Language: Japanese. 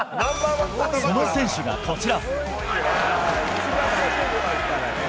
その選手がこちら。